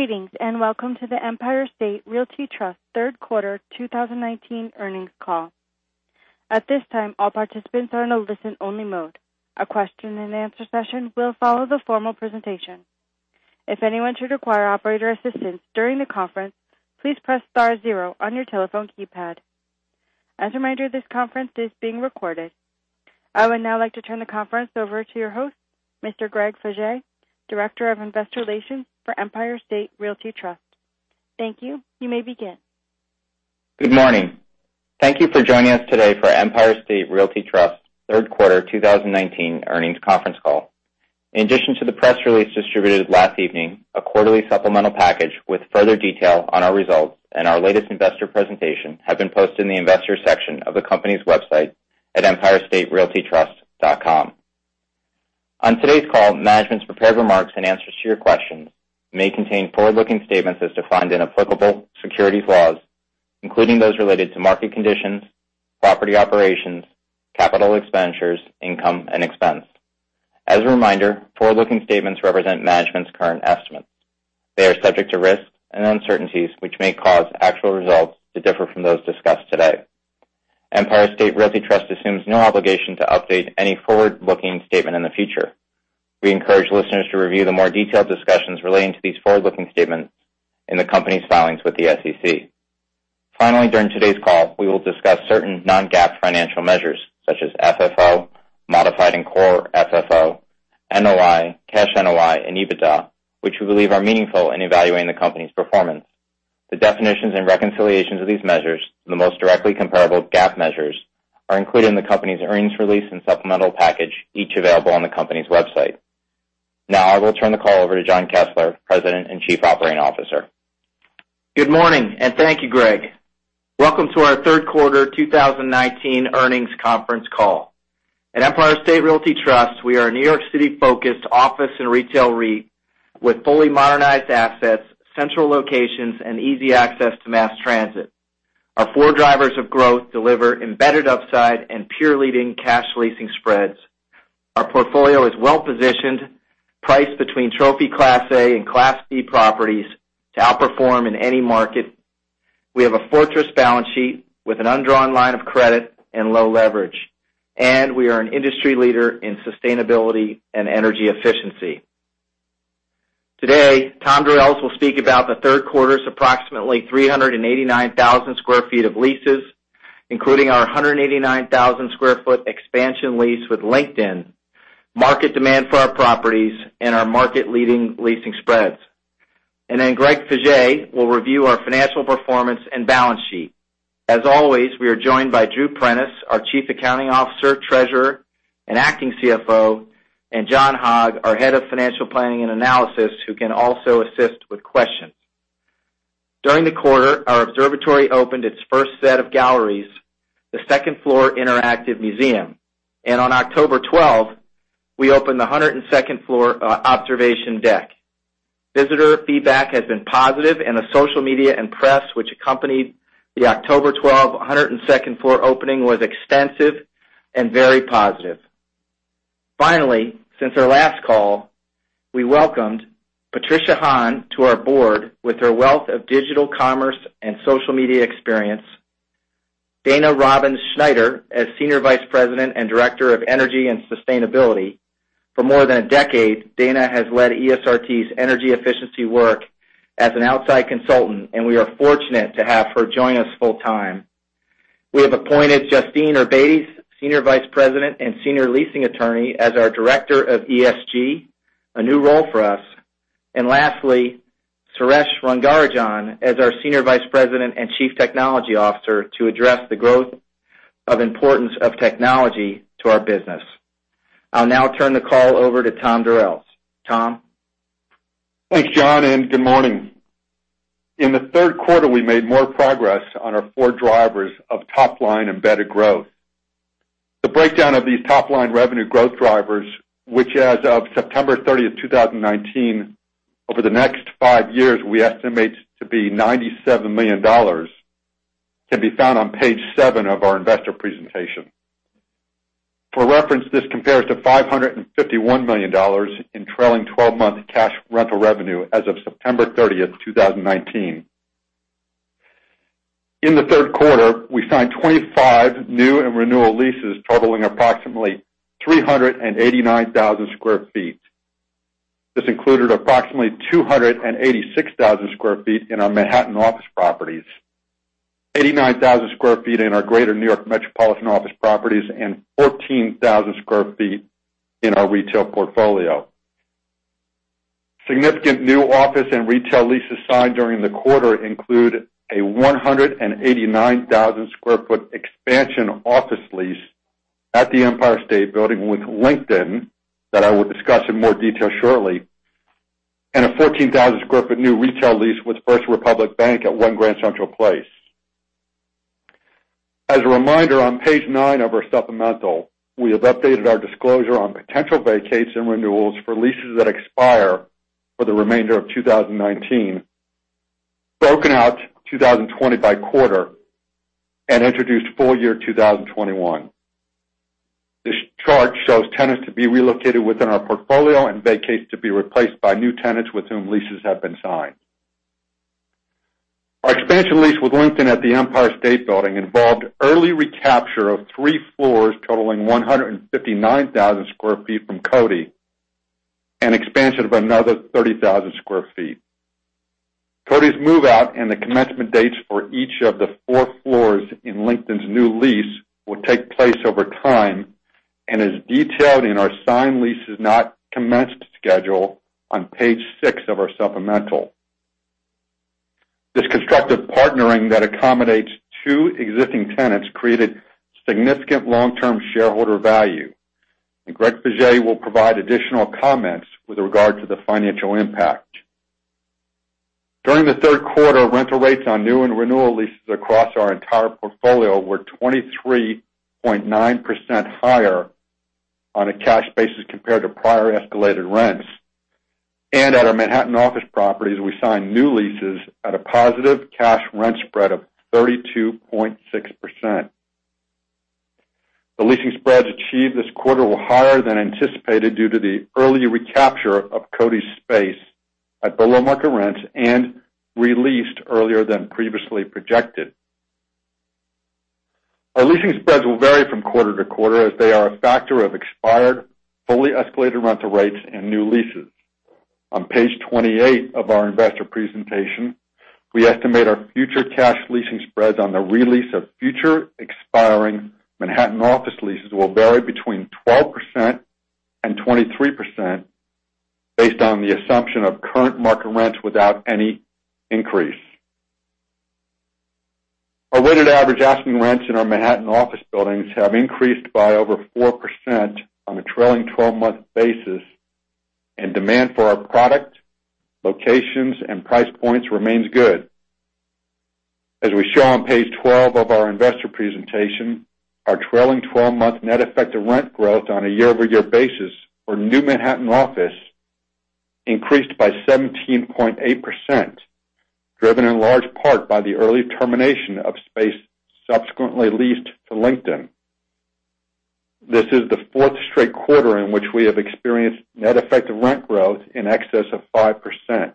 Greetings, welcome to the Empire State Realty Trust third quarter 2019 earnings call. At this time, all participants are in a listen-only mode. A question and answer session will follow the formal presentation. If anyone should require operator assistance during the conference, please press star zero on your telephone keypad. As a reminder, this conference is being recorded. I would now like to turn the conference over to your host, Mr. Greg Faje, Director of Investor Relations for Empire State Realty Trust. Thank you. You may begin. Good morning. Thank you for joining us today for Empire State Realty Trust third quarter 2019 earnings conference call. In addition to the press release distributed last evening, a quarterly supplemental package with further detail on our results and our latest investor presentation have been posted in the Investors section of the company's website at empirestaterealtytrust.com. On today's call, management's prepared remarks and answers to your questions may contain forward-looking statements as defined in applicable securities laws, including those related to market conditions, property operations, capital expenditures, income, and expense. As a reminder, forward-looking statements represent management's current estimates. They are subject to risks and uncertainties, which may cause actual results to differ from those discussed today. Empire State Realty Trust assumes no obligation to update any forward-looking statement in the future. We encourage listeners to review the more detailed discussions relating to these forward-looking statements in the company's filings with the SEC. Finally, during today's call, we will discuss certain non-GAAP financial measures such as FFO, modified and core FFO, NOI, cash NOI, and EBITDA, which we believe are meaningful in evaluating the company's performance. The definitions and reconciliations of these measures to the most directly comparable GAAP measures are included in the company's earnings release and supplemental package, each available on the company's website. Now, I will turn the call over to John Kessler, President and Chief Operating Officer. Good morning. Thank you, Greg. Welcome to our third quarter 2019 earnings conference call. At Empire State Realty Trust, we are a New York City-focused office and retail REIT with fully modernized assets, central locations, and easy access to mass transit. Our four drivers of growth deliver embedded upside and peer-leading cash leasing spreads. Our portfolio is well-positioned, priced between trophy Class A and Class B properties to outperform in any market. We have a fortress balance sheet with an undrawn line of credit and low leverage, and we are an industry leader in sustainability and energy efficiency. Today, Tom Durels will speak about the third quarter's approximately 389,000 square feet of leases, including our 189,000 square foot expansion lease with LinkedIn, market demand for our properties, and our market-leading leasing spreads. Greg Faje will review our financial performance and balance sheet. As always, we are joined by Drew Prentice, our Chief Accounting Officer, Treasurer, and acting CFO, and John Hogg, our Head of Financial Planning and Analysis, who can also assist with questions. During the quarter, our observatory opened its first set of galleries, the 2nd-floor interactive museum. On October 12th, we opened the 102nd floor observation deck. Visitor feedback has been positive, and the social media and press which accompanied the October 12th, 102nd-floor opening was extensive and very positive. Finally, since our last call, we welcomed Patricia Han to our board with her wealth of digital commerce and social media experience. Dana Robbins Schneider as Senior Vice President and Director of Energy and Sustainability. For more than a decade, Dana has led ESRT's energy efficiency work as an outside consultant, and we are fortunate to have her join us full time. We have appointed Justine Urbaites, Senior Vice President and Senior Leasing Attorney, as our Director of ESG, a new role for us. Lastly, Suresh Rangarajan as our Senior Vice President and Chief Technology Officer to address the growth of importance of technology to our business. I will now turn the call over to Tom Durels. Tom? Thanks, John. Good morning. In the third quarter, we made more progress on our four drivers of top-line embedded growth. The breakdown of these top-line revenue growth drivers, which as of September 30, 2019, over the next five years, we estimate to be $97 million, can be found on page seven of our investor presentation. For reference, this compares to $551 million in trailing 12-month cash rental revenue as of September 30, 2019. In the third quarter, we signed 25 new and renewal leases totaling approximately 389,000 sq ft. This included approximately 286,000 sq ft in our Manhattan office properties, 89,000 sq ft in our Greater New York metropolitan office properties, and 14,000 sq ft in our retail portfolio. Significant new office and retail leases signed during the quarter include a 189,000 square foot expansion office lease at the Empire State Building with LinkedIn, that I will discuss in more detail shortly, and a 14,000 square foot new retail lease with First Republic Bank at One Grand Central Place. As a reminder, on page nine of our supplemental, we have updated our disclosure on potential vacates and renewals for leases that expire for the remainder of 2019, broken out 2020 by quarter, and introduced full year 2021. This chart shows tenants to be relocated within our portfolio and vacates to be replaced by new tenants with whom leases have been signed. Our expansion lease with LinkedIn at the Empire State Building involved early recapture of three floors totaling 159,000 square feet from Coty, and expansion of another 30,000 square feet. Coty's move-out and the commencement dates for each of the four floors in LinkedIn's new lease will take place over time, and as detailed in our signed leases not commenced schedule on page six of our supplemental. Greg Faje will provide additional comments with regard to the financial impact. During the third quarter, rental rates on new and renewal leases across our entire portfolio were 23.9% higher on a cash basis compared to prior escalated rents. At our Manhattan office properties, we signed new leases at a positive cash rent spread of 32.6%. The leasing spreads achieved this quarter were higher than anticipated due to the early recapture of Coty's space at below-market rents and re-leased earlier than previously projected. Our leasing spreads will vary from quarter to quarter as they are a factor of expired, fully escalated rental rates and new leases. On page 28 of our investor presentation, we estimate our future cash leasing spreads on the re-lease of future expiring Manhattan office leases will vary between 12%-23%, based on the assumption of current market rents without any increase. Our weighted average asking rents in our Manhattan office buildings have increased by over 4% on a trailing 12-month basis, and demand for our product, locations, and price points remains good. As we show on page 12 of our investor presentation, our trailing 12-month net effective rent growth on a year-over-year basis for new Manhattan office increased by 17.8%, driven in large part by the early termination of space subsequently leased to LinkedIn. This is the fourth straight quarter in which we have experienced net effective rent growth in excess of 5%.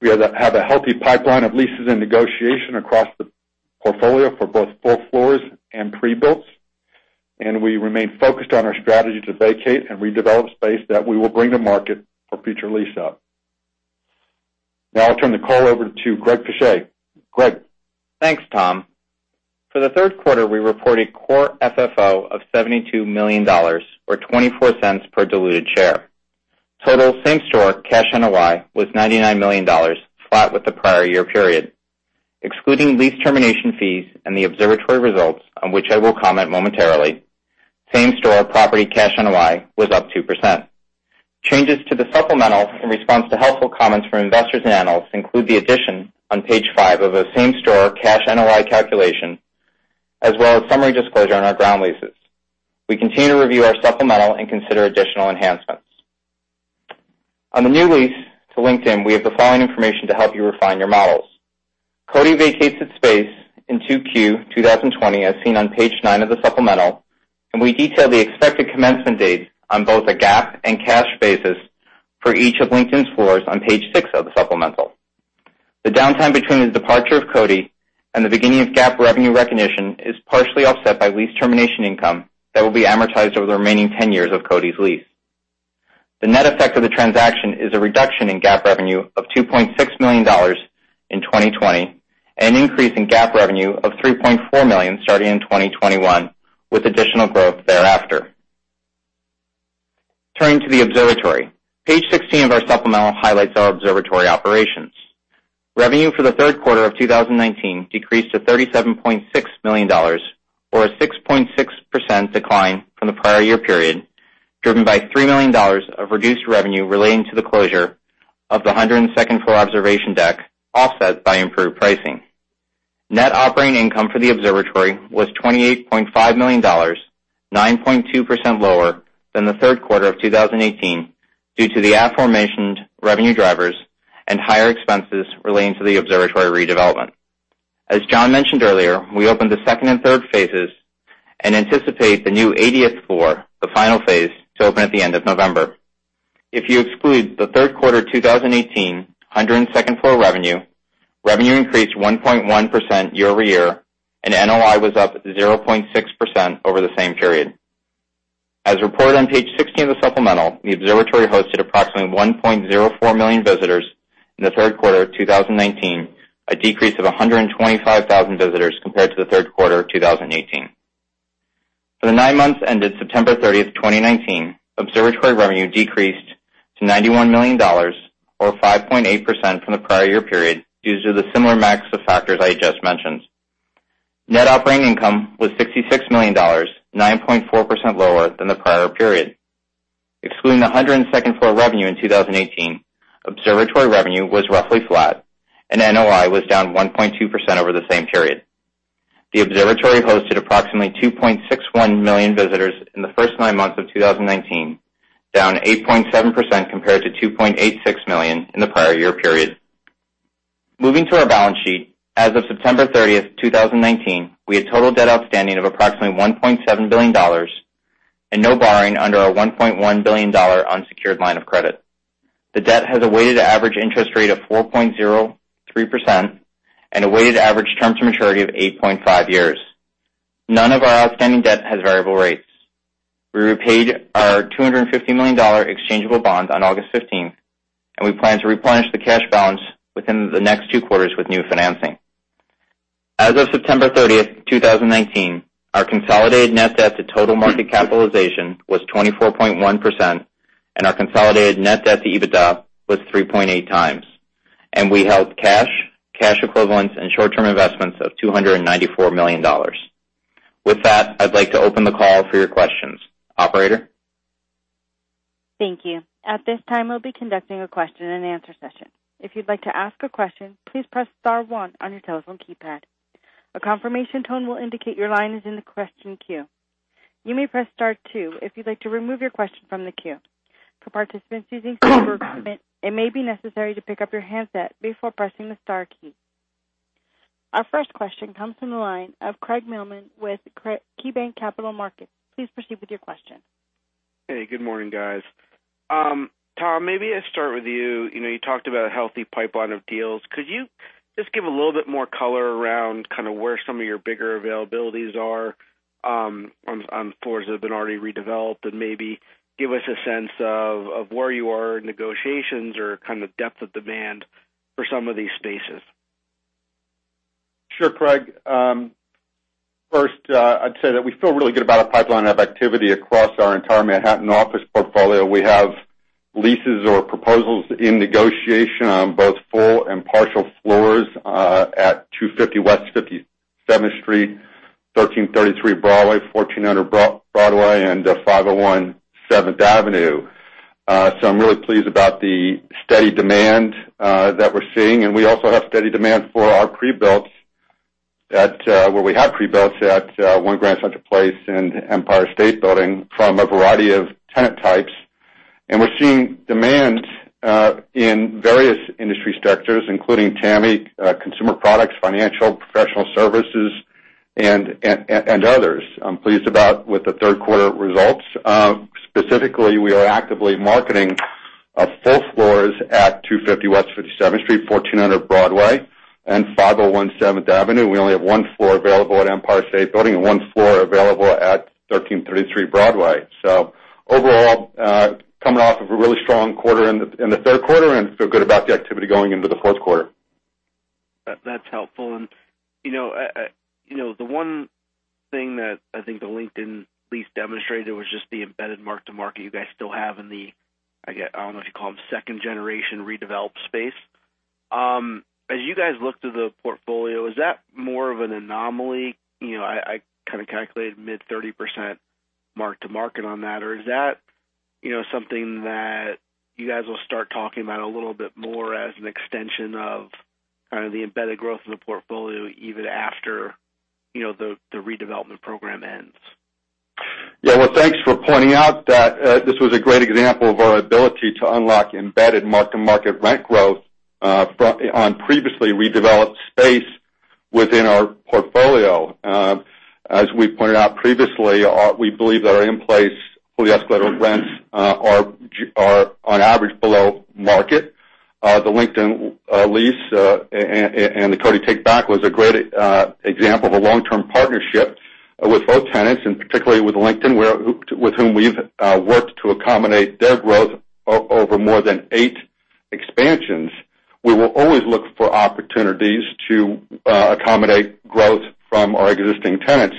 We have a healthy pipeline of leases and negotiation across the portfolio for both full floors and pre-builts, and we remain focused on our strategy to vacate and redevelop space that we will bring to market for future lease up. Now I'll turn the call over to Greg Faje. Greg? Thanks, Tom. For the third quarter, we reported core FFO of $72 million, or $0.24 per diluted share. Total same store cash NOI was $99 million, flat with the prior year period. Excluding lease termination fees and the observatory results, on which I will comment momentarily, same store property cash NOI was up 2%. Changes to the supplemental in response to helpful comments from investors and analysts include the addition on page five of a same store cash NOI calculation, as well as summary disclosure on our ground leases. We continue to review our supplemental and consider additional enhancements. On the new lease to LinkedIn, we have the following information to help you refine your models. Coty vacates its space in 2Q 2020, as seen on page nine of the supplemental. We detail the expected commencement dates on both a GAAP and cash basis for each of LinkedIn's floors on page six of the supplemental. The downtime between the departure of Coty and the beginning of GAAP revenue recognition is partially offset by lease termination income that will be amortized over the remaining 10 years of Coty's lease. The net effect of the transaction is a reduction in GAAP revenue of $2.6 million in 2020. An increase in GAAP revenue of $3.4 million starting in 2021, with additional growth thereafter. Turning to the observatory. Page 16 of our supplemental highlights our observatory operations. Revenue for the third quarter of 2019 decreased to $37.6 million, or a 6.6% decline from the prior year period, driven by $3 million of reduced revenue relating to the closure of the 102nd-floor observation deck, offset by improved pricing. Net operating income for the observatory was $28.5 million, 9.2% lower than the third quarter of 2018 due to the aforementioned revenue drivers and higher expenses relating to the observatory redevelopment. As John mentioned earlier, we opened the second and third phases and anticipate the new 80th floor, the final phase, to open at the end of November. If you exclude the third quarter 2018 102nd floor revenue increased 1.1% year-over-year, and NOI was up 0.6% over the same period. As reported on page 16 of the supplemental, the observatory hosted approximately 1.04 million visitors in the third quarter of 2019, a decrease of 125,000 visitors compared to the third quarter of 2018. For the nine months ended September 30th, 2019, observatory revenue decreased to $91 million or 5.8% from the prior year period due to the similar mix of factors I just mentioned. Net operating income was $66 million, 9.4% lower than the prior period. Excluding the 102nd floor revenue in 2018, observatory revenue was roughly flat and NOI was down 1.2% over the same period. The Observatory hosted approximately 2.61 million visitors in the first nine months of 2019, down 8.7% compared to 2.86 million in the prior year period. Moving to our balance sheet, as of September 30th, 2019, we had total debt outstanding of approximately $1.7 billion, no borrowing under our $1.1 billion unsecured line of credit. The debt has a weighted average interest rate of 4.03% and a weighted average term to maturity of 8.5 years. None of our outstanding debt has variable rates. We repaid our $250 million exchangeable bonds on August 15th, we plan to replenish the cash balance within the next two quarters with new financing. As of September 30th, 2019, our consolidated net debt to total market capitalization was 24.1%, our consolidated net debt to EBITDA was 3.8 times. We held cash equivalents, and short-term investments of $294 million. With that, I'd like to open the call for your questions. Operator? Thank you. At this time, we'll be conducting a question and answer session. If you'd like to ask a question, please press star one on your telephone keypad. A confirmation tone will indicate your line is in the question queue. You may press star two if you'd like to remove your question from the queue. For participants using it may be necessary to pick up your handset before pressing the star key. Our first question comes from the line of Craig Mailman with KeyBanc Capital Markets. Please proceed with your question. Hey, good morning, guys. Tom, maybe I start with you. You talked about a healthy pipeline of deals. Could you just give a little bit more color around where some of your bigger availabilities are on floors that have been already redeveloped, and maybe give us a sense of where you are in negotiations or kind of depth of demand for some of these spaces? Sure, Craig. First, I'd say that we feel really good about our pipeline of activity across our entire Manhattan office portfolio. We have leases or proposals in negotiation on both full and partial floors at 250 West 57th Street, 1333 Broadway, 1400 Broadway, and 501 7th Avenue. I'm really pleased about the steady demand that we're seeing, and we also have steady demand for our pre-builts where we have pre-builts at One Grand Central Place and Empire State Building from a variety of tenant types. We're seeing demand in various industry sectors, including TAMI, consumer products, financial, professional services, and others. I'm pleased with the third quarter results. Specifically, we are actively marketing full floors at 250 West 57th Street, 1400 Broadway, and 501 7th Avenue. We only have one floor available at Empire State Building and one floor available at 1333 Broadway. Overall, coming off of a really strong quarter in the third quarter and feel good about the activity going into the fourth quarter. That's helpful. The one thing that I think the LinkedIn lease demonstrated was just the embedded mark-to-market you guys still have in the, I don't know if you call them second-generation redeveloped space. As you guys look to the portfolio, is that more of an anomaly? I kind of calculated mid-30% mark-to-market on that. Is that something that you guys will start talking about a little bit more as an extension of kind of the embedded growth in the portfolio, even after the redevelopment program ends? Well, thanks for pointing out that this was a great example of our ability to unlock embedded mark-to-market rent growth on previously redeveloped space within our portfolio. As we pointed out previously, we believe that our in-place fully escalated rents are on average below market. The LinkedIn lease and the Coty takeback was a great example of a long-term partnership with both tenants, and particularly with LinkedIn, with whom we've worked to accommodate their growth over more than eight expansions. We will always look for opportunities to accommodate growth from our existing tenants,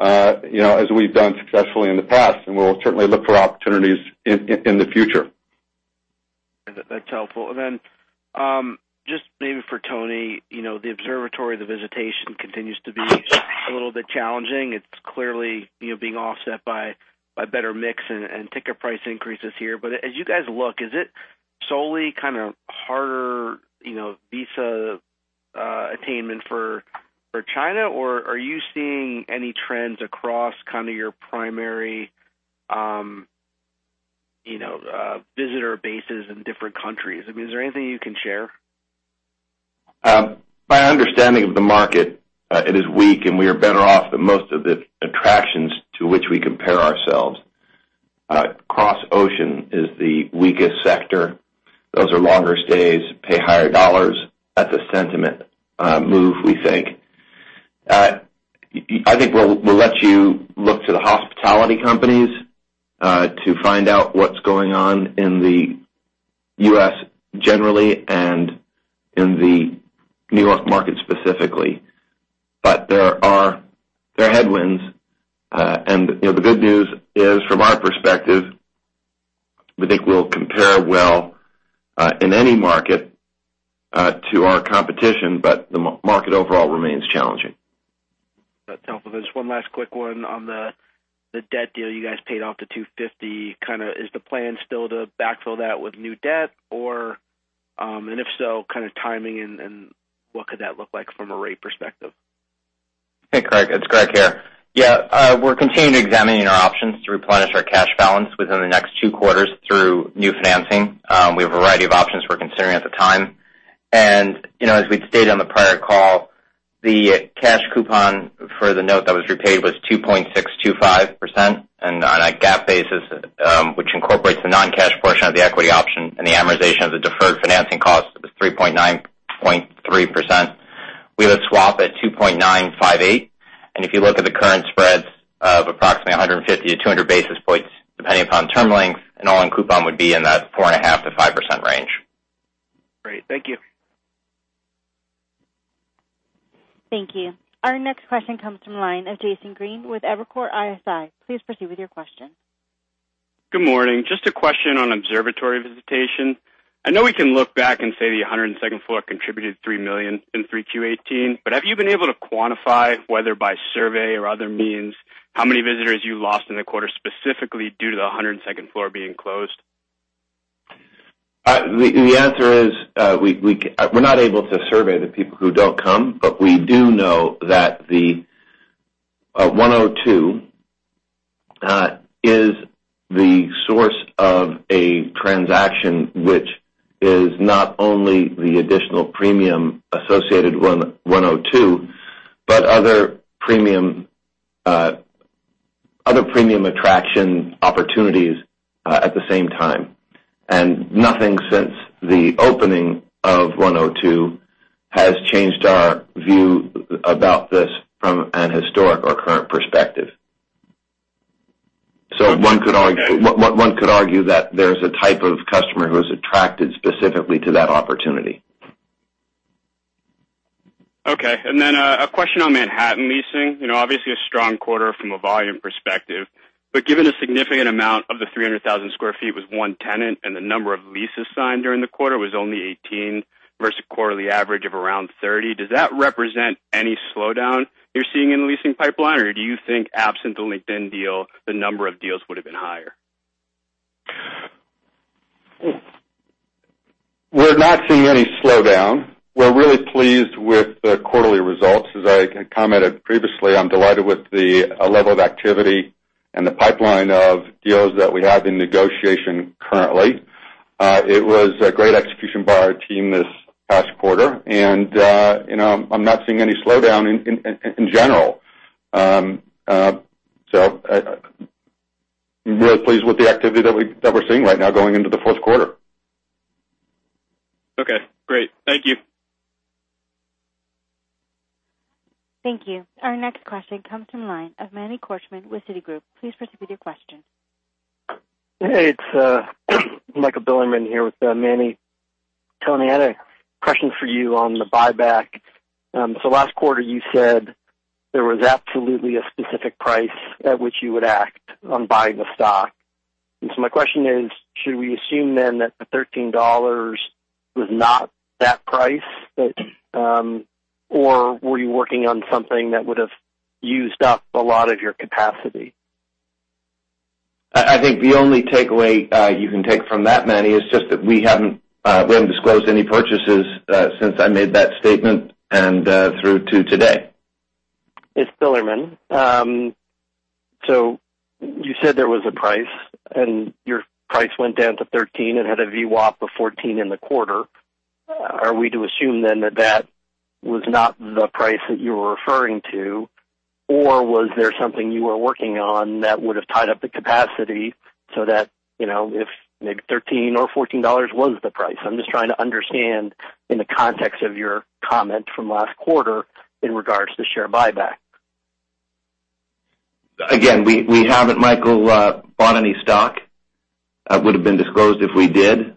as we've done successfully in the past, and we'll certainly look for opportunities in the future. That's helpful. Just maybe for Tony, the Observatory, the visitation continues to be a little bit challenging. It's clearly being offset by better mix and ticket price increases here. As you guys look, is it solely kind of harder visa attainment for China? Are you seeing any trends across your primary visitor bases in different countries? I mean, is there anything you can share? My understanding of the market, it is weak, and we are better off than most of the attractions to which we compare ourselves. Cross-ocean is the weakest sector. Those are longer stays, pay higher dollars. That's a sentiment move, we think. I think we'll let you look to the hospitality companies to find out what's going on in the U.S. generally and in the New York market specifically. There are headwinds, and the good news is, from our perspective, we think we'll compare well in any market to our competition, but the market overall remains challenging. That's helpful. There's one last quick one on the debt deal you guys paid off the $250 million. Is the plan still to backfill that with new debt And if so, kind of timing and what could that look like from a rate perspective? Hey, Craig. It's Greg here. We're continuing examining our options to replenish our cash balance within the next 2 quarters through new financing. We have a variety of options we're considering at the time. As we'd stated on the prior call, the cash coupon for the note that was repaid was 2.625%. On a GAAP basis, which incorporates the non-cash portion of the equity option and the amortization of the deferred financing cost, it was 3.9.3%. We have a swap at 2.958%. If you look at the current spreads of approximately 150 to 200 basis points, depending upon term length, an all-in coupon would be in that 4.5% to 5% range. Great. Thank you. Thank you. Our next question comes from the line of Jason Green with Evercore ISI. Please proceed with your question. Good morning. Just a question on Observatory visitation. I know we can look back and say the 102nd floor contributed $3 million in 3Q 2018, have you been able to quantify, whether by survey or other means, how many visitors you lost in the quarter, specifically due to the 102nd floor being closed? The answer is, we're not able to survey the people who don't come, but we do know that the 102 is the source of a transaction which is not only the additional premium associated with 102, but other premium attraction opportunities at the same time. Nothing since the opening of 102 has changed our view about this from an historic or current perspective. One could argue that there's a type of customer who is attracted specifically to that opportunity. Okay. A question on Manhattan leasing. Obviously a strong quarter from a volume perspective, but given a significant amount of the 300,000 square feet with one tenant and the number of leases signed during the quarter was only 18 versus a quarterly average of around 30, does that represent any slowdown you're seeing in the leasing pipeline, or do you think absent the LinkedIn deal, the number of deals would've been higher? We're not seeing any slowdown. We're really pleased with the quarterly results. As I commented previously, I'm delighted with the level of activity and the pipeline of deals that we have in negotiation currently. It was a great execution by our team this past quarter, I'm not seeing any slowdown in general. I'm really pleased with the activity that we're seeing right now going into the fourth quarter. Okay, great. Thank you. Thank you. Our next question comes from the line of Manny Korchman with Citigroup. Please proceed with your question. Hey, it's Michael Bilerman here with Manny. Tony, I had a question for you on the buyback. Last quarter, you said there was absolutely a specific price at which you would act on buying the stock. My question is, should we assume then that the $13 was not that price, or were you working on something that would've used up a lot of your capacity? I think the only takeaway you can take from that, Manny, is just that we haven't disclosed any purchases since I made that statement and through to today. It's Bilerman. You said there was a price, and your price went down to 13 and had a VWAP of 14 in the quarter. Are we to assume then that that was not the price that you were referring to, or was there something you were working on that would've tied up the capacity so that if maybe $13 or $14 was the price? I'm just trying to understand in the context of your comment from last quarter in regards to share buyback. Again, we haven't, Michael, bought any stock. It would've been disclosed if we did,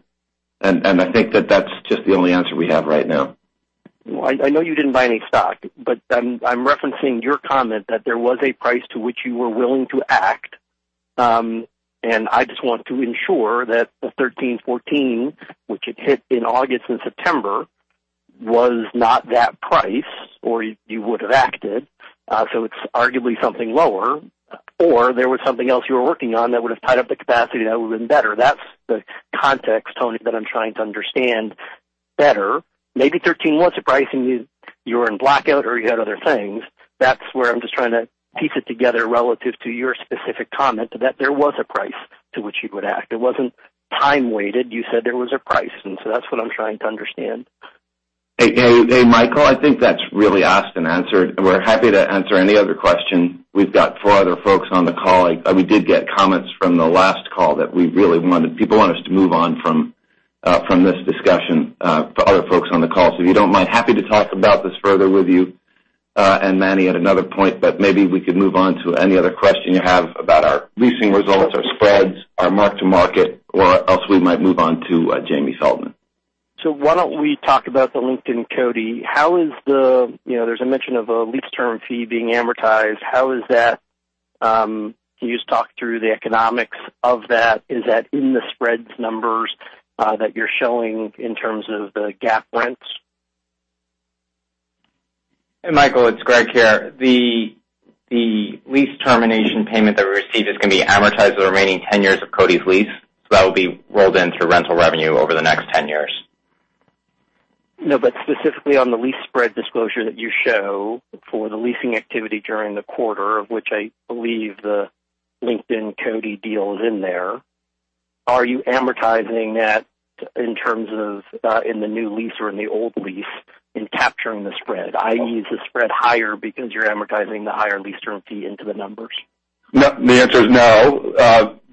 and I think that that's just the only answer we have right now. I know you didn't buy any stock, but I'm referencing your comment that there was a price to which you were willing to act. I just want to ensure that the $13.14, which it hit in August and September, was not that price, or you would've acted. It's arguably something lower, or there was something else you were working on that would've tied up the capacity that would've been better. That's the context, Tony, that I'm trying to understand better. Maybe $13 was the price and you were in blackout or you had other things. That's where I'm just trying to piece it together relative to your specific comment that there was a price to which you would act. It wasn't time-weighted. You said there was a price, that's what I'm trying to understand. Hey, Michael. I think that's really asked and answered. We're happy to answer any other question. We've got four other folks on the call. We did get comments from the last call that people want us to move on from this discussion for other folks on the call. If you don't mind, happy to talk about this further with you and Manny at another point, but maybe we could move on to any other question you have about our leasing results, our spreads, our mark to market, or else we might move on to Jamie Feldman. Why don't we talk about the LinkedIn, Coty? There's a mention of a lease term fee being amortized. Can you just talk through the economics of that? Is that in the spreads numbers that you're showing in terms of the GAAP rents? Hey, Michael, it's Greg here. The lease termination payment that we received is going to be amortized over the remaining 10 years of Coty's lease, so that will be rolled into rental revenue over the next 10 years. No, specifically on the lease spread disclosure that you show for the leasing activity during the quarter, of which I believe the LinkedIn-Coty deal is in there, are you amortizing that in terms of in the new lease or in the old lease in capturing the spread, i.e., is the spread higher because you're amortizing the higher lease term fee into the numbers? No, the answer is no.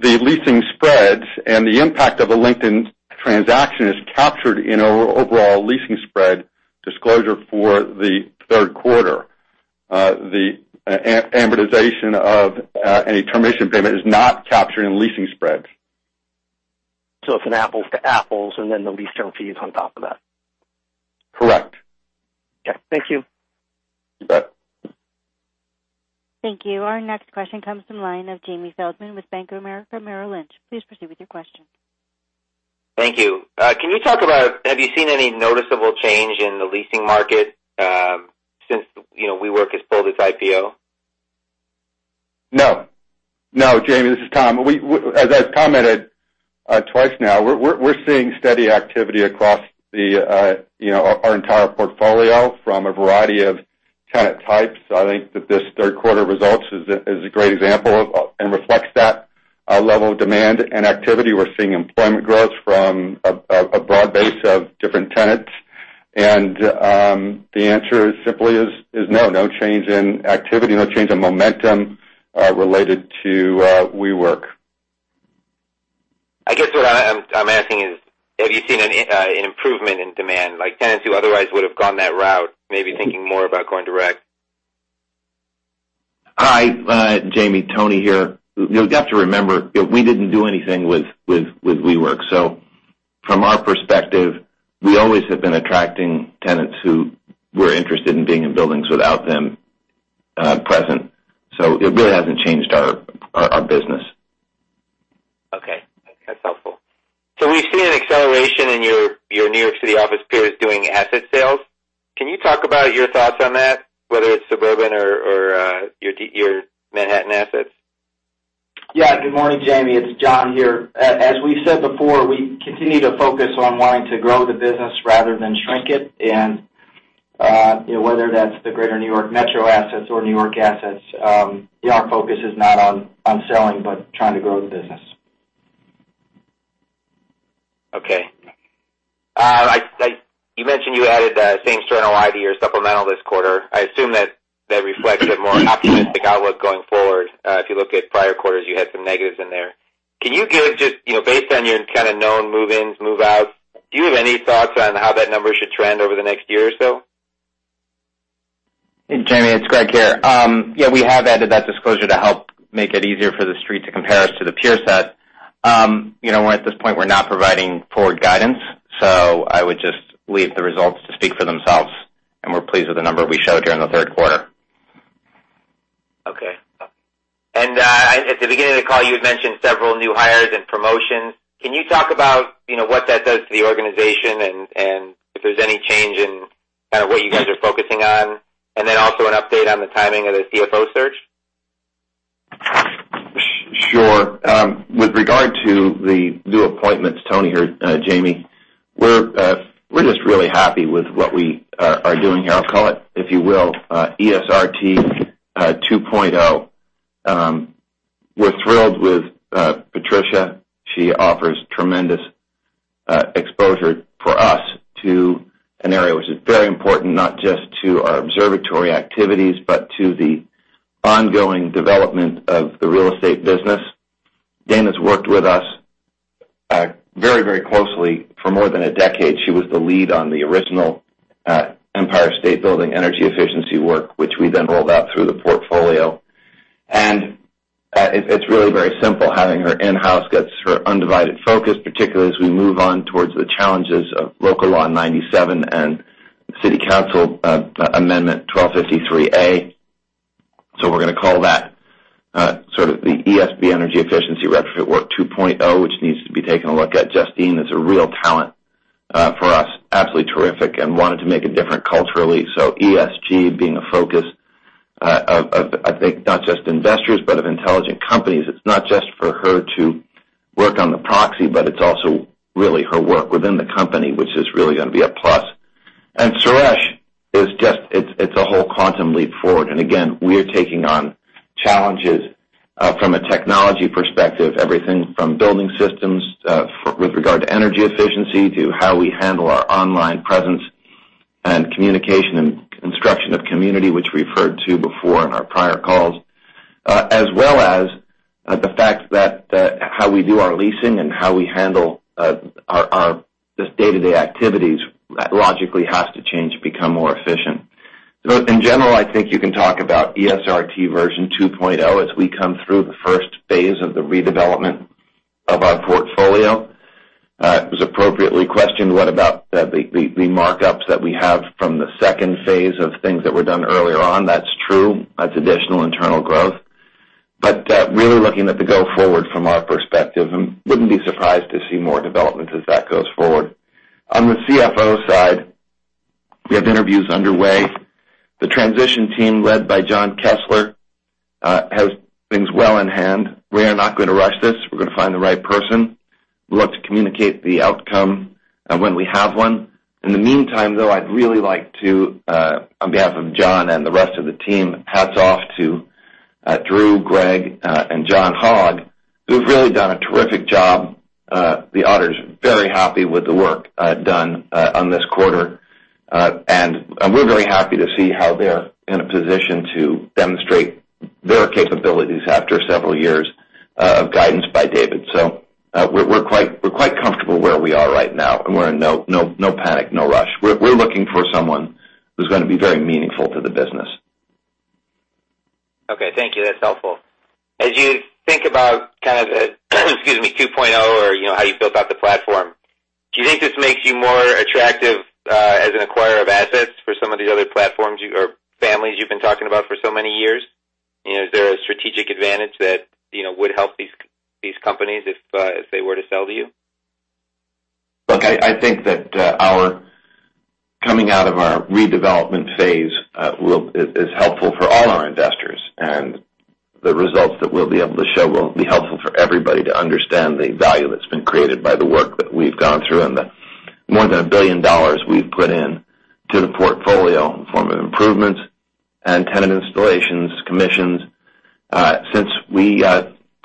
The leasing spreads and the impact of a LinkedIn transaction is captured in our overall leasing spread disclosure for the third quarter. The amortization of any termination payment is not captured in leasing spreads. It's an apples to apples, and then the lease term fee is on top of that? Correct. Okay. Thank you. You bet. Thank you. Our next question comes from the line of Jamie Feldman with Bank of America Merrill Lynch. Please proceed with your question. Thank you. Have you seen any noticeable change in the leasing market since WeWork has pulled its IPO? No. Jamie, this is Tom. As I've commented twice now, we're seeing steady activity across our entire portfolio from a variety of tenant types. I think that this third quarter results is a great example and reflects that level of demand and activity. We're seeing employment growth from a broad base of different tenants. The answer simply is no. No change in activity, no change in momentum related to WeWork. I guess what I'm asking is, have you seen an improvement in demand, like tenants who otherwise would have gone that route, maybe thinking more about going direct? Hi, Jamie. Tony here. You've got to remember, we didn't do anything with WeWork. From our perspective, we always have been attracting tenants who were interested in being in buildings without them present. It really hasn't changed our business. Okay. That's helpful. We've seen an acceleration in your New York City office peers doing asset sales. Can you talk about your thoughts on that, whether it's suburban or your Manhattan assets? Yeah. Good morning, Jamie. It's John here. As we've said before, we continue to focus on wanting to grow the business rather than shrink it. Whether that's the greater New York metro assets or New York assets, our focus is not on selling, but trying to grow the business. Okay. You mentioned you added same store NOI to your supplemental this quarter. I assume that reflected a more optimistic outlook going forward. If you look at prior quarters, you had some negatives in there. Based on your kind of known move-ins, move-outs, do you have any thoughts on how that number should trend over the next year or so? Hey, Jamie, it's Greg here. Yeah, we have added that disclosure to help make it easier for the street to compare us to the peer set. At this point, we're not providing forward guidance. I would just leave the results to speak for themselves. We're pleased with the number we showed during the third quarter. Okay. At the beginning of the call, you had mentioned several new hires and promotions. Can you talk about what that does to the organization and if there's any change in kind of what you guys are focusing on? Also an update on the timing of the CFO search. Sure. With regard to the new appointments, Tony here, Jamie, we're just really happy with what we are doing here. I'll call it, if you will, ESRT 2.0. We're thrilled with Patricia. She offers tremendous exposure for us to an area which is very important, not just to our observatory activities, but to the ongoing development of the real estate business. Dana's worked with us very closely for more than a decade. She was the lead on the original Empire State Building energy efficiency work, which we then rolled out through the portfolio. It's really very simple. Having her in-house gets her undivided focus, particularly as we move on towards the challenges of Local Law 97 and city council amendment 1253-A. We're going to call that sort of the ESB energy efficiency retrofit work 2.0, which needs to be taken a look at. Justine is a real talent for us, absolutely terrific, wanted to make a difference culturally. ESG being a focus of, I think, not just investors, but of intelligent companies. It's not just for her to work on the proxy, it's also really her work within the company, which is really going to be a plus. Suresh is just a whole quantum leap forward. Again, we're taking on challenges from a technology perspective, everything from building systems with regard to energy efficiency, to how we handle our online presence and communication and construction of community, which we referred to before in our prior calls, as well as the fact that how we do our leasing and how we handle just day-to-day activities logically has to change to become more efficient. In general, I think you can talk about ESRT version 2.0 as we come through the first phase of the redevelopment of our portfolio. It was appropriately questioned, what about the markups that we have from the second phase of things that were done earlier on. That's true. That's additional internal growth. Really looking at the go forward from our perspective, and wouldn't be surprised to see more developments as that goes forward. On the CFO side, we have interviews underway. The transition team, led by John Kessler, has things well in hand. We are not going to rush this. We're going to find the right person. We'll look to communicate the outcome when we have one. In the meantime, though, I'd really like to, on behalf of John and the rest of the team, hats off to Drew, Greg, and John Hogg, who've really done a terrific job. The auditor's very happy with the work done on this quarter. We're very happy to see how they're in a position to demonstrate their capabilities after several years of guidance by David. We're quite comfortable where we are right now, and we're in no panic, no rush. We're looking for someone who's going to be very meaningful to the business. Okay. Thank you. That's helpful. As you think about kind of excuse me, 2.0 or how you built out the platform, do you think this makes you more attractive as an acquirer of assets for some of these other platforms or families you've been talking about for so many years? Is there a strategic advantage that would help these companies if they were to sell to you? I think that our coming out of our redevelopment phase is helpful for all our investors, and the results that we'll be able to show will be helpful for everybody to understand the value that's been created by the work that we've gone through and the more than $1 billion we've put in to the portfolio in form of improvements and tenant installations, commissions, since we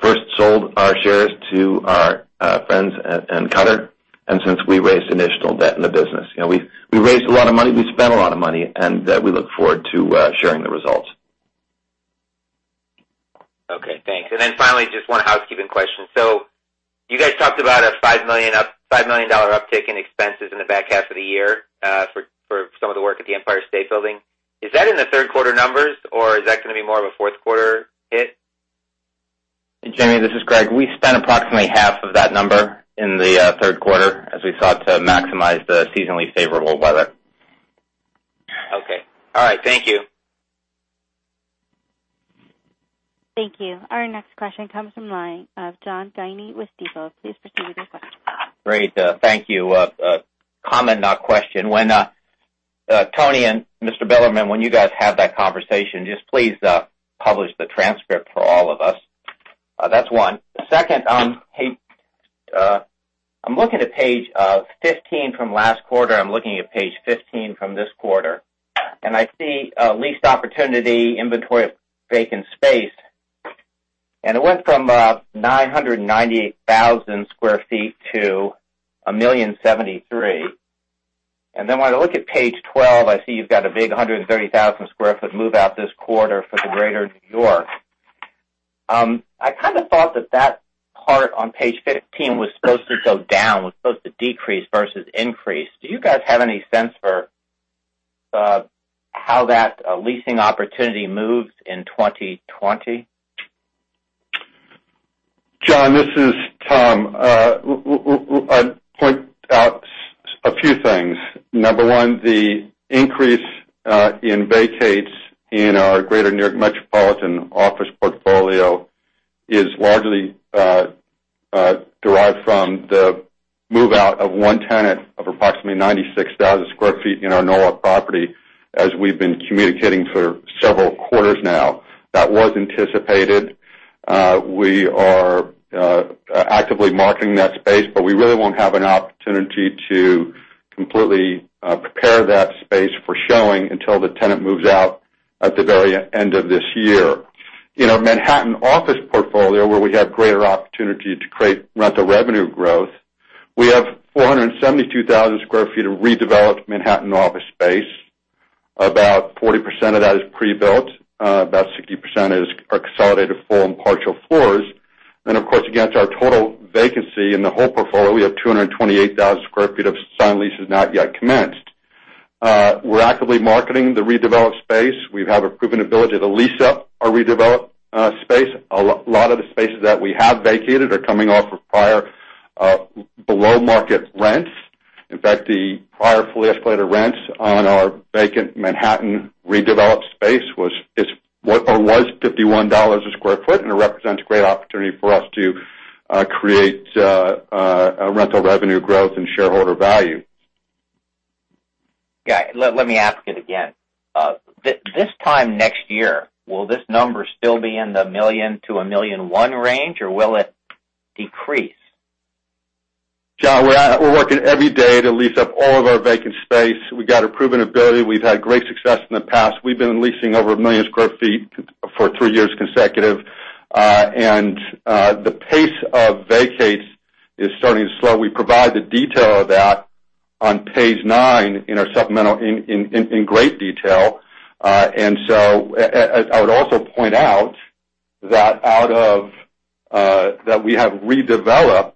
first sold our shares to our friends in Qatar, and since we raised additional debt in the business. We raised a lot of money, we spent a lot of money, and we look forward to sharing the results. Okay, thanks. Finally, just one housekeeping question. You guys talked about a $5 million uptick in expenses in the back half of the year, for some of the work at the Empire State Building. Is that in the third quarter numbers, or is that going to be more of a fourth quarter hit? Jamie, this is Greg. We spent approximately half of that number in the third quarter as we sought to maximize the seasonally favorable weather. Okay. All right. Thank you. Thank you. Our next question comes from the line of John Guinee with Stifel. Please proceed with your question. Great. Thank you. A comment, not question. When Tony and Mr. Bilerman, when you guys have that conversation, just please publish the transcript for all of us. That's one. The second, I'm looking at page 15 from last quarter. I'm looking at page 15 from this quarter, and I see a lease opportunity inventory of vacant space, and it went from 998,000 square feet to 1,000,073. When I look at page 12, I see you've got a big 130,000 square foot move out this quarter for the greater New York. I kind of thought that that part on page 15 was supposed to go down, was supposed to decrease versus increase. Do you guys have any sense for how that leasing opportunity moves in 2020? John, this is Tom. I'd point out a few things. Number one, the increase in vacates in our greater New York metropolitan office portfolio is largely derived from the move-out of one tenant of approximately 96,000 sq ft in our Norwalk property, as we've been communicating for several quarters now. That was anticipated. We are actively marketing that space, but we really won't have an opportunity to completely prepare that space for showing until the tenant moves out at the very end of this year. In our Manhattan office portfolio, where we have greater opportunity to create rental revenue growth, we have 472,000 sq ft of redeveloped Manhattan office space. About 40% of that is pre-built. About 60% is our consolidated full and partial floors. Of course, against our total vacancy in the whole portfolio, we have 228,000 sq ft of signed leases not yet commenced. We're actively marketing the redeveloped space. We have a proven ability to lease up our redeveloped space. A lot of the spaces that we have vacated are coming off of prior below-market rents. In fact, the prior fully escalated rents on our vacant Manhattan redeveloped space was $51 a sq ft, and it represents a great opportunity for us to create rental revenue growth and shareholder value. Yeah. Let me ask it again. This time next year, will this number still be in the $1 million-$1.1 million range, or will it decrease? John, we're working every day to lease up all of our vacant space. We got a proven ability. We've had great success in the past. We've been leasing over 1 million square feet for three years consecutive. The pace of vacates is starting to slow. We provide the detail of that on page nine in our supplemental in great detail. I would also point out that we have redeveloped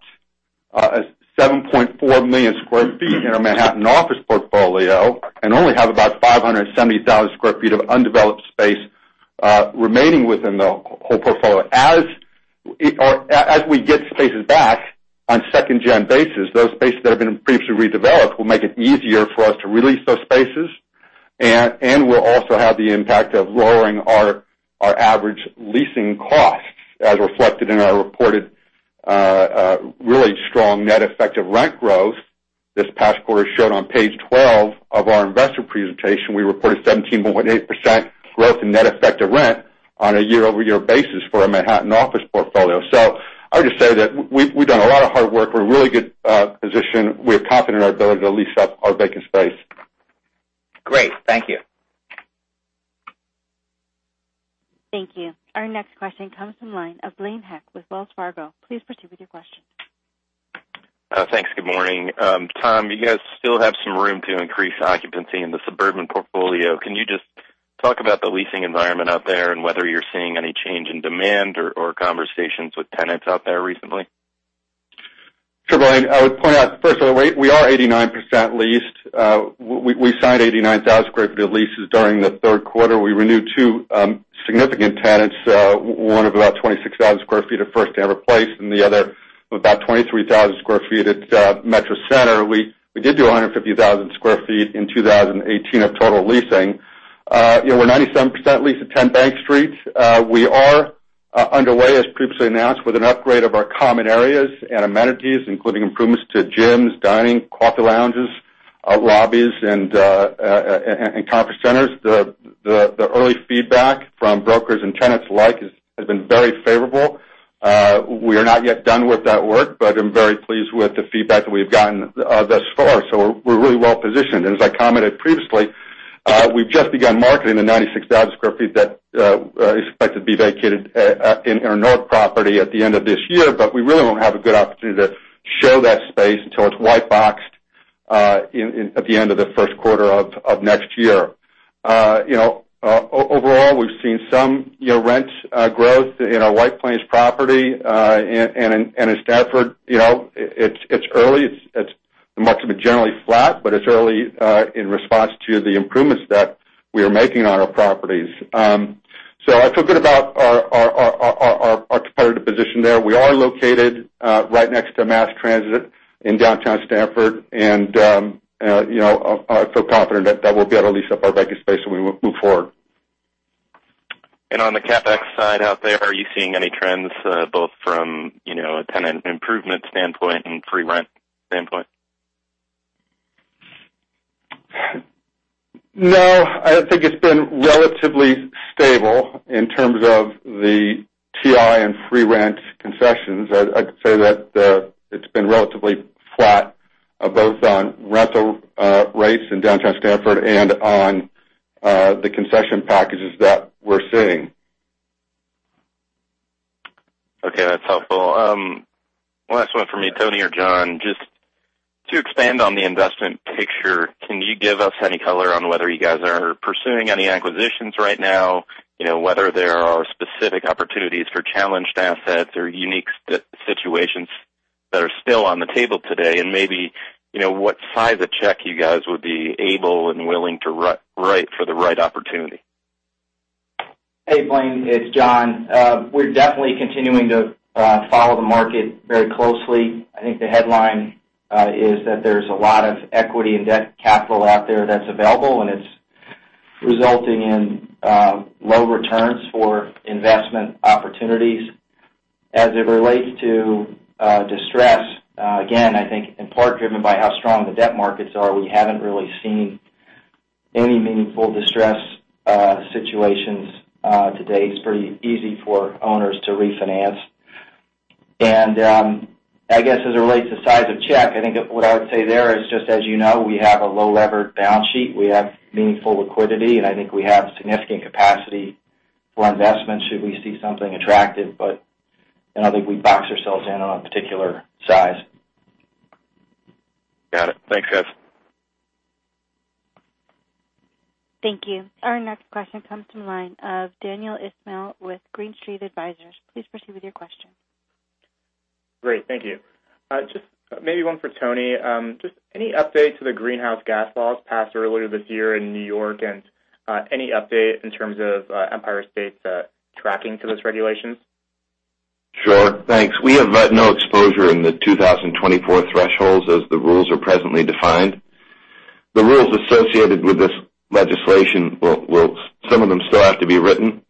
7.4 million square feet in our Manhattan office portfolio and only have about 570,000 square feet of undeveloped space remaining within the whole portfolio as As we get spaces back on second-gen basis, those spaces that have been previously redeveloped will make it easier for us to release those spaces, and will also have the impact of lowering our average leasing costs, as reflected in our reported really strong net effective rent growth this past quarter, showed on page 12 of our investor presentation. We reported 17.8% growth in net effective rent on a year-over-year basis for our Manhattan office portfolio. I'll just say that we've done a lot of hard work. We're in a really good position. We're confident in our ability to lease up our vacant space. Great. Thank you. Thank you. Our next question comes from the line of Blaine Heck with Wells Fargo. Please proceed with your question. Thanks. Good morning. Tom, you guys still have some room to increase occupancy in the suburban portfolio. Can you just talk about the leasing environment out there and whether you're seeing any change in demand or conversations with tenants out there recently? Sure, Blaine. I would point out, first of all, we are 89% leased. We signed 89,000 sq ft of leases during the third quarter. We renewed two significant tenants, one of about 26,000 sq ft at First Stamford Place, and the other of about 23,000 sq ft at Metro Center. We did do 150,000 sq ft in 2018 of total leasing. We're 97% leased at 10 Bank Street. We are underway, as previously announced, with an upgrade of our common areas and amenities, including improvements to gyms, dining, coffee lounges, lobbies, and conference centers. The early feedback from brokers and tenants alike has been very favorable. We are not yet done with that work, but I'm very pleased with the feedback that we've gotten thus far. We're really well-positioned. As I commented previously, we've just begun marketing the 96,000 square feet that is expected to be vacated in our North property at the end of this year. We really won't have a good opportunity to show that space until it's white boxed at the end of the first quarter of next year. Overall, we've seen some rent growth in our White Plains property. In Stamford, it's early. The market's been generally flat, but it's early in response to the improvements that we are making on our properties. I feel good about our comparative position there. We are located right next to mass transit in downtown Stamford, and I feel confident that we'll be able to lease up our vacant space as we move forward. On the CapEx side out there, are you seeing any trends both from a tenant improvement standpoint and free rent standpoint? No, I think it's been relatively stable in terms of the TI and free rent concessions. I'd say that it's been relatively flat, both on rental rates in downtown Stamford and on the concession packages that we're seeing. Okay, that's helpful. One last one from me, Tony or John. Just to expand on the investment picture, can you give us any color on whether you guys are pursuing any acquisitions right now? Whether there are specific opportunities for challenged assets or unique situations that are still on the table today, and maybe what size of check you guys would be able and willing to write for the right opportunity? Hey, Blaine, it's John. We're definitely continuing to follow the market very closely. I think the headline is that there's a lot of equity and debt capital out there that's available, and it's resulting in low returns for investment opportunities. As it relates to distress, again, I think in part driven by how strong the debt markets are, we haven't really seen any meaningful distress situations to date. It's pretty easy for owners to refinance. I guess as it relates to size of check, I think what I would say there is just as you know, we have a low-levered balance sheet. We have meaningful liquidity, and I think we have significant capacity for investment should we see something attractive. I don't think we box ourselves in on a particular size. Got it. Thanks, guys. Thank you. Our next question comes from the line of Daniel Ismail with Green Street Advisors. Please proceed with your question. Great. Thank you. Just maybe one for Tony. Just any update to the greenhouse gas laws passed earlier this year in New York, and any update in terms of Empire State's tracking to those regulations? Sure. Thanks. We have no exposure in the 2024 thresholds as the rules are presently defined. The rules associated with this legislation, some of them still have to be written,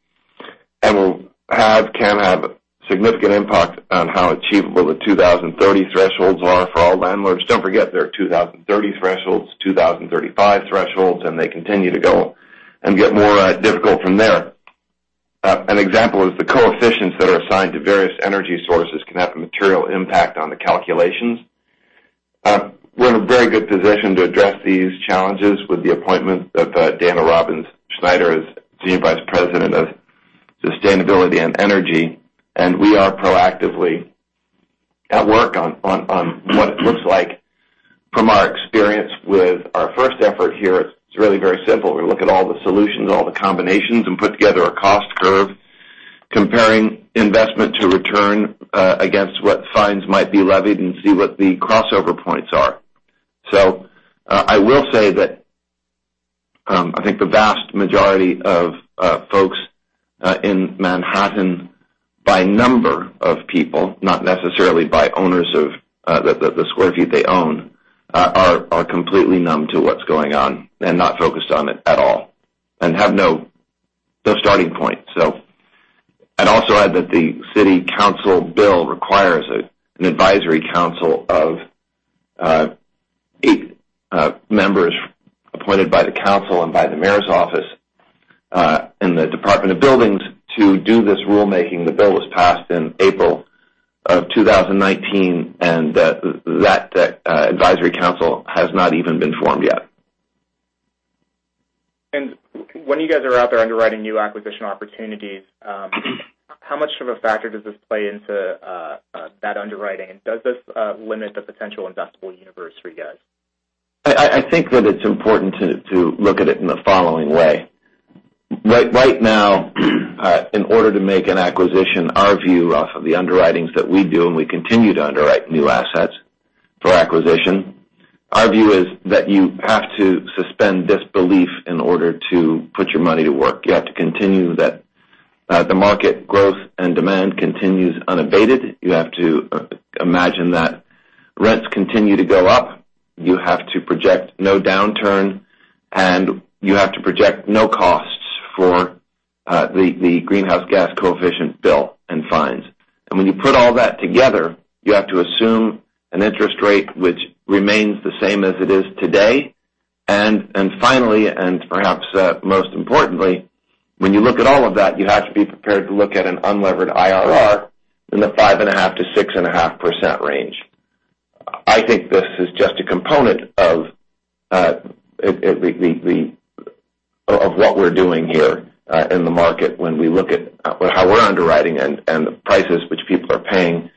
and can have a significant impact on how achievable the 2030 thresholds are for all landlords. Don't forget, there are 2030 thresholds, 2035 thresholds, and they continue to go and get more difficult from there. An example is the coefficients that are assigned to various energy sources can have a material impact on the calculations. We're in a very good position to address these challenges with the appointment of Dana Robbins Schneider as Senior Vice President of Sustainability and Energy, and we are proactively at work on what it looks like. From our experience with our first effort here, it's really very simple. We look at all the solutions, all the combinations, and put together a cost curve comparing investment to return against what fines might be levied and see what the crossover points are. I will say that I think the vast majority of folks in Manhattan, by number of people, not necessarily by owners of the square feet they own, are completely numb to what's going on and not focused on it at all, and have no starting point. I'd also add that the city council bill requires an advisory council of eight members appointed by the council and by the mayor's office, and the Department of Buildings to do this rulemaking. The bill was passed in April of 2019, and that advisory council has not even been formed yet. When you guys are out there underwriting new acquisition opportunities, how much of a factor does this play into that underwriting, and does this limit the potential investable universe for you guys? I think that it's important to look at it in the following way. Right now, in order to make an acquisition, our view off of the underwritings that we do, and we continue to underwrite new assets for acquisition, our view is that you have to suspend disbelief in order to put your money to work. You have to continue that the market growth and demand continues unabated. You have to imagine that rents continue to go up. You have to project no downturn, and you have to project no costs for the greenhouse gas coefficient bill and fines. When you put all that together, you have to assume an interest rate which remains the same as it is today. Finally, and perhaps most importantly, when you look at all of that, you have to be prepared to look at an unlevered IRR in the 5.5%-6.5% range. I think this is just a component of what we're doing here in the market when we look at how we're underwriting and the prices which people are paying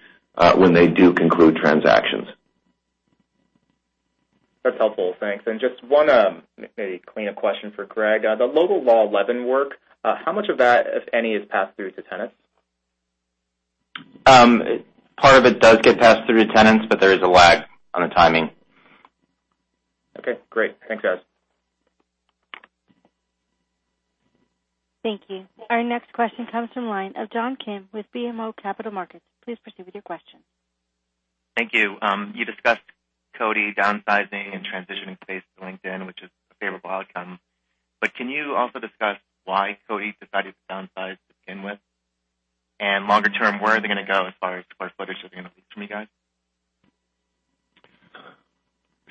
when they do conclude transactions. That's helpful. Thanks. Just one maybe cleaner question for Greg. The Local Law 11 work, how much of that, if any, is passed through to tenants? Part of it does get passed through to tenants, but there is a lag on the timing. Okay, great. Thanks, guys. Thank you. Our next question comes from line of John Kim with BMO Capital Markets. Please proceed with your question. Thank you. You discussed Coty downsizing and transitioning space to LinkedIn, which is a favorable outcome. Can you also discuss why Coty decided to downsize to begin with? Longer term, where are they going to go as far as square footage? Are they going to lease from you guys?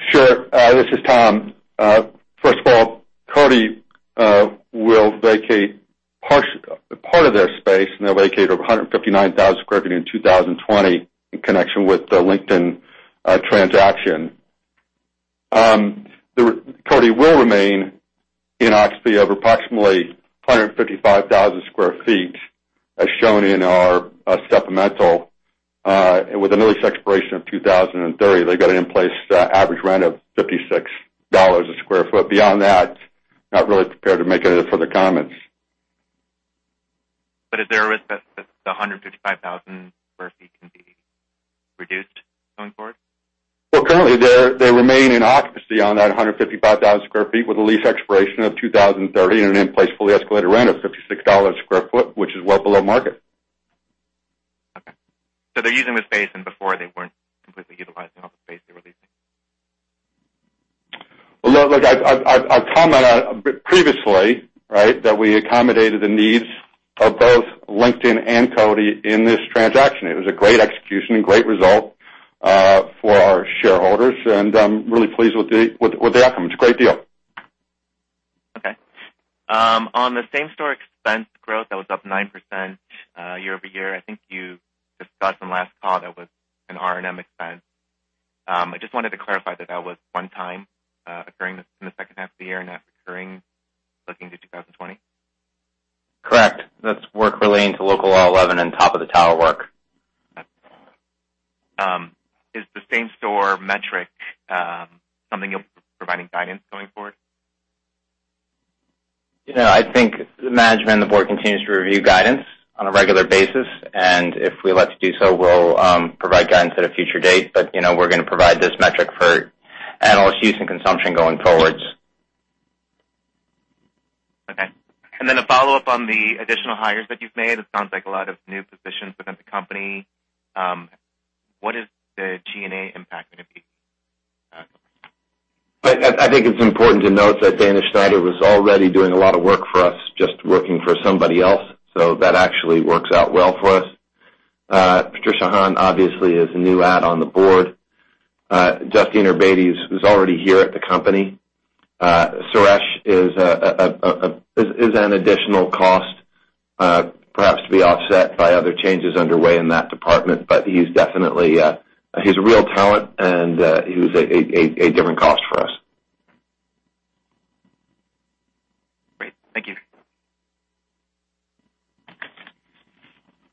Sure. This is Tom. First of all, Coty will vacate part of their space, and they'll vacate 159,000 sq ft in 2020 in connection with the LinkedIn transaction. Coty will remain in occupancy of approximately 155,000 sq ft, as shown in our supplemental, and with a lease expiration of 2030. They got an in-place average rent of $56 a sq ft. Beyond that, not really prepared to make any further comments. Is there a risk that the 155,000 sq ft can be reduced going forward? Well, currently, they remain in occupancy on that 155,000 square feet with a lease expiration of 2030 and an in-place fully escalated rent of $56 a square foot, which is well below market. Okay. They're using the space, and before they weren't completely utilizing all the space they were leasing. Well, look, I commented on it previously, that we accommodated the needs of both LinkedIn and Coty in this transaction. It was a great execution and great result for our shareholders, and I'm really pleased with the outcome. It's a great deal. Okay. On the same-store expense growth, that was up 9% year-over-year. I think you discussed on last call that was an R&M expense. I just wanted to clarify that that was one-time occurring in the second half of the year, not recurring looking to 2020? Correct. That's work relating to Local Law 11 and top-of-the-tower work. Is the same-store metric something you'll be providing guidance going forward? I think management and the board continues to review guidance on a regular basis, and if we elect to do so, we'll provide guidance at a future date. We're going to provide this metric for analysts' use and consumption going forward. Okay. A follow-up on the additional hires that you've made. It sounds like a lot of new positions within the company. What is the G&A impact going to be? I think it's important to note that Dana Schneider was already doing a lot of work for us, just working for somebody else. That actually works out well for us. Patricia Han obviously is a new add on the board. Justine Urbaites was already here at the company. Suresh is an additional cost, perhaps to be offset by other changes underway in that department. He's a real talent, and he was a different cost for us. Great. Thank you.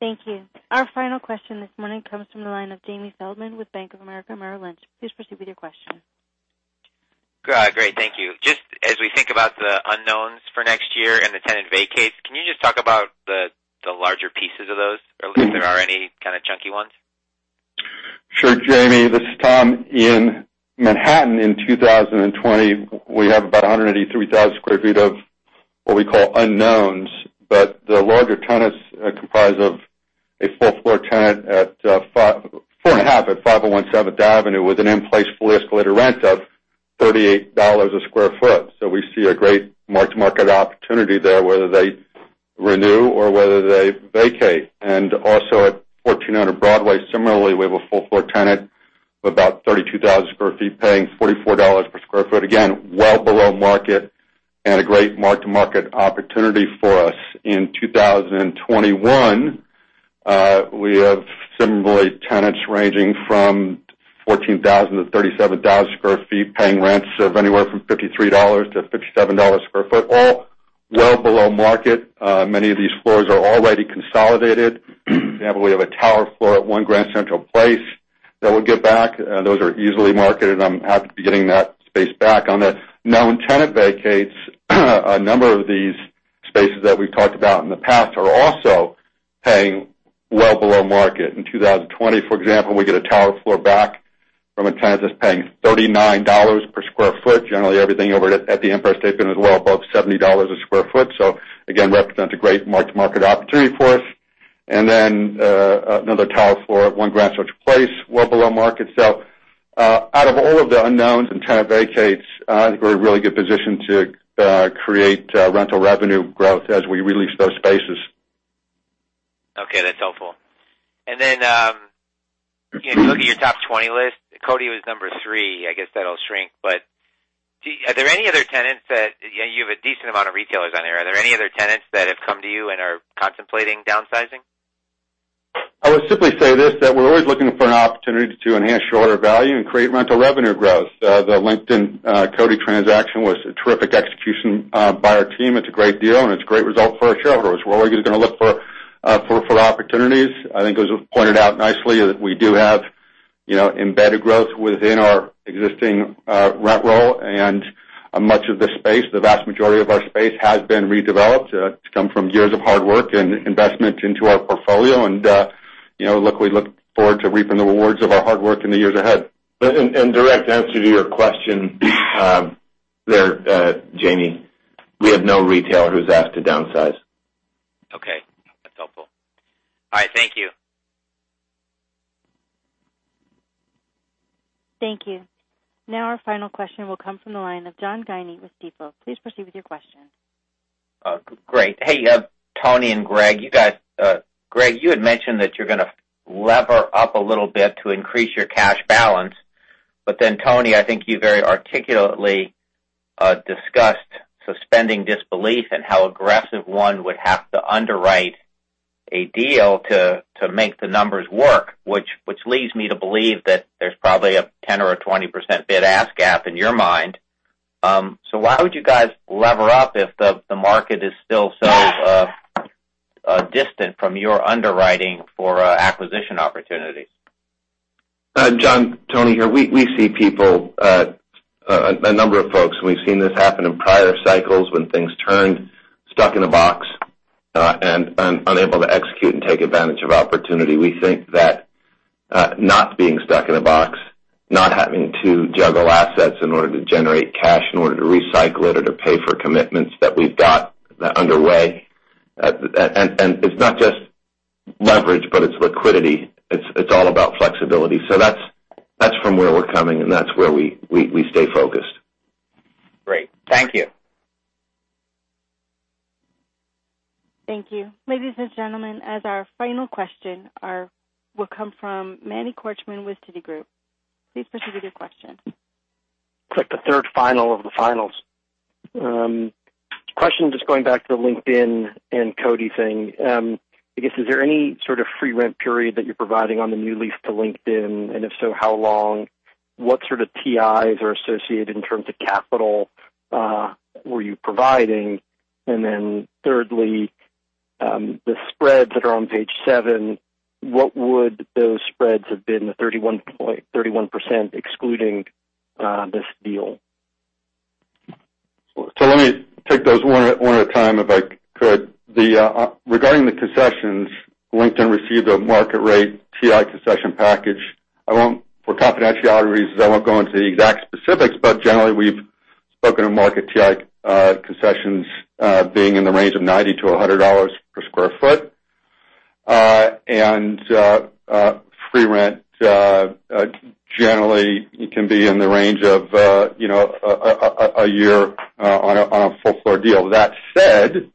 Thank you. Our final question this morning comes from the line of Jamie Feldman with Bank of America Merrill Lynch. Please proceed with your question. Great. Thank you. Just as we think about the unknowns for next year and the tenant vacates, can you just talk about the larger pieces of those, or if there are any kind of chunky ones? Sure, Jamie, this is Tom. In Manhattan in 2020, we have about 183,000 square feet of what we call unknowns, but the larger tenant is comprised of a full-floor tenant at 4.5 at 501 Seventh Avenue, with an in-place fully escalated rent of $38 a square foot. We see a great mark-to-market opportunity there, whether they renew or whether they vacate. Also at 1400 Broadway, similarly, we have a full-floor tenant with about 32,000 square feet, paying $44 per square foot. Again, well below market and a great mark-to-market opportunity for us. In 2021, we have similarly tenants ranging from 14,000 to 37,000 square feet, paying rents of anywhere from $53 to $57 a square foot, all well below market. Many of these floors are already consolidated. For example, we have a tower floor at One Grand Central Place that we get back. Those are easily marketed. I'm happy to be getting that space back. On the known tenant vacates, a number of these spaces that we've talked about in the past are also paying well below market. In 2020, for example, we get a tower floor back from a tenant that's paying $39 per square foot. Generally, everything over at the Empire State Building is well above $70 a square foot. Again, represents a great mark-to-market opportunity for us. Another tower floor at One Grand Central Place, well below market. Out of all of the unknowns and tenant vacates, I think we're in a really good position to create rental revenue growth as we re-lease those spaces. Okay, that's helpful. If you look at your top 20 list, Coty was number three. I guess that'll shrink, but are there any other tenants? You have a decent amount of retailers on there. Are there any other tenants that have come to you and are contemplating downsizing? I would simply say this, that we're always looking for an opportunity to enhance shareholder value and create rental revenue growth. The LinkedIn-Coty transaction was a terrific execution by our team. It's a great deal, and it's a great result for our shareholders. We're always going to look for opportunities. I think as was pointed out nicely, that we do have embedded growth within our existing rent roll and much of the space, the vast majority of our space, has been redeveloped. It's come from years of hard work and investment into our portfolio, and look, we look forward to reaping the rewards of our hard work in the years ahead. Direct answer to your question there, Jamie, we have no retailer who's asked to downsize. Okay, that's helpful. All right, thank you. Thank you. Our final question will come from the line of John Guinee with Stifel. Please proceed with your question. Great. Hey, Tony and Greg. Greg, you had mentioned that you're going to lever up a little bit to increase your cash balance. Tony, I think you very articulately discussed suspending disbelief and how aggressive one would have to underwrite a deal to make the numbers work, which leads me to believe that there's probably a 10% or a 20% bid-ask gap in your mind. Why would you guys lever up if the market is still so distant from your underwriting for acquisition opportunities? John, Tony here. We see people, a number of folks, and we've seen this happen in prior cycles when things turned, stuck in a box, and unable to execute and take advantage of opportunity. We think that not being stuck in a box, not having to juggle assets in order to generate cash, in order to recycle it or to pay for commitments that we've got underway. It's not just leverage, but it's liquidity. It's all about flexibility. That's from where we're coming, and that's where we stay focused. Great. Thank you. Thank you. Ladies and gentlemen, as our final question will come from Manny Korchmann with Citigroup. Please proceed with your question. It's like the third final of the finals. Question, just going back to the LinkedIn and Coty thing. I guess, is there any sort of free rent period that you're providing on the new lease to LinkedIn? If so, how long? What sort of TIs are associated in terms of capital were you providing? Thirdly, the spreads that are on page seven, what would those spreads have been, the 31% excluding this deal? Let me take those one at a time, if I could. Regarding the concessions, LinkedIn received a market-rate TI concession package. For confidentiality reasons, I won't go into the exact specifics, but generally, we've spoken to market TI concessions being in the range of $90 to $100 per square foot. Free rent, generally, it can be in the range of a year on a full-floor deal. That said,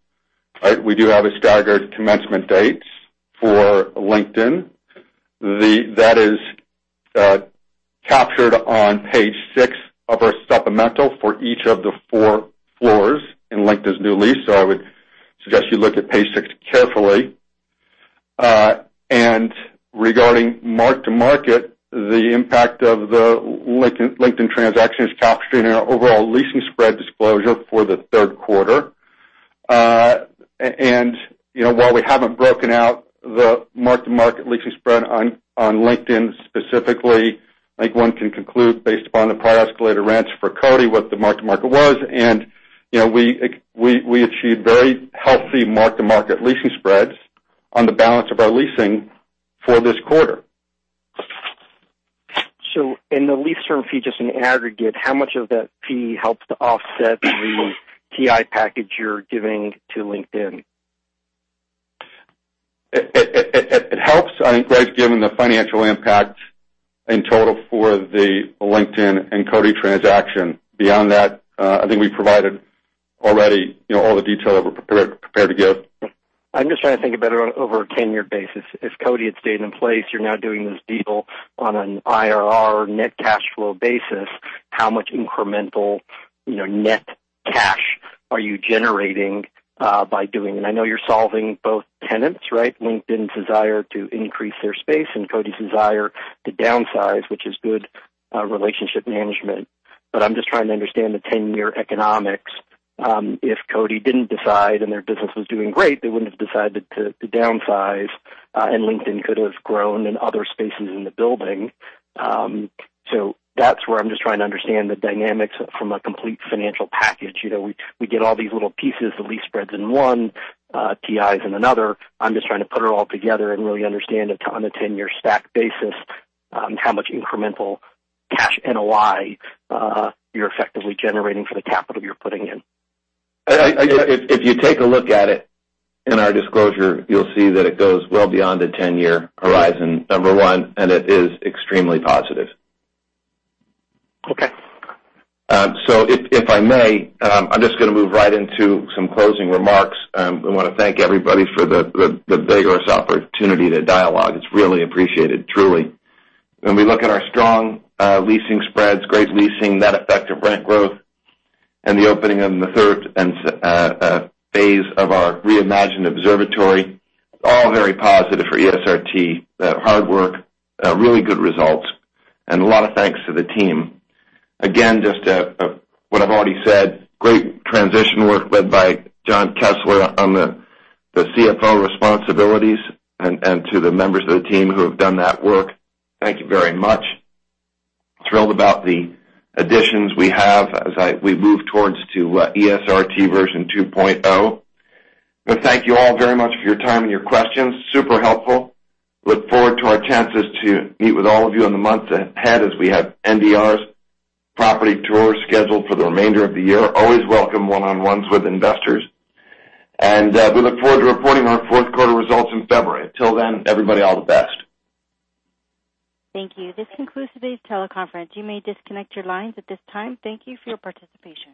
we do have staggered commencement dates for LinkedIn. That is captured on page six of our supplemental for each of the four floors in LinkedIn's new lease. I would suggest you look at page six carefully. Regarding mark-to-market, the impact of the LinkedIn transaction is captured in our overall leasing spread disclosure for the third quarter. While we haven't broken out the mark-to-market leasing spread on LinkedIn specifically I think one can conclude based upon the prior escalated rents for Coty, what the mark-to-market was. We achieved very healthy mark-to-market leasing spreads on the balance of our leasing for this quarter. In the lease term fee, just in aggregate, how much of that fee helps to offset the TI package you're giving to LinkedIn? It helps. I think Greg's given the financial impact in total for the LinkedIn and Coty transaction. Beyond that, I think we provided already all the detail that we're prepared to give. I'm just trying to think about it over a 10-year basis. If Coty had stayed in place, you're now doing this deal on an IRR net cash flow basis. How much incremental net cash are you generating by doing it? I know you're solving both tenants, LinkedIn's desire to increase their space and Coty's desire to downsize, which is good relationship management. I'm just trying to understand the 10-year economics. If Coty didn't decide and their business was doing great, they wouldn't have decided to downsize, and LinkedIn could have grown in other spaces in the building. That's where I'm just trying to understand the dynamics from a complete financial package. We get all these little pieces, the lease spreads in one, TIs in another. I'm just trying to put it all together and really understand it on a 10-year stack basis, how much incremental cash NOI you're effectively generating for the capital you're putting in. If you take a look at it in our disclosure, you'll see that it goes well beyond a 10-year horizon, number one, and it is extremely positive. Okay. If I may, I'm just going to move right into some closing remarks. I want to thank everybody for the vigorous opportunity to dialogue. It's really appreciated, truly. When we look at our strong leasing spreads, great leasing, net effect of rent growth, and the opening of the third phase of our reimagined observatory, all very positive for ESRT. Hard work, really good results, and a lot of thanks to the team. Again, just what I've already said, great transition work led by John Kessler on the CFO responsibilities, and to the members of the team who have done that work. Thank you very much. Thrilled about the additions we have as we move towards to ESRT version 2.0. Thank you all very much for your time and your questions. Super helpful. Look forward to our chances to meet with all of you in the months ahead as we have NDRs, property tours scheduled for the remainder of the year. Always welcome one-on-ones with investors. We look forward to reporting our fourth quarter results in February. Until then, everybody, all the best. Thank you. This concludes today's teleconference. You may disconnect your lines at this time. Thank you for your participation.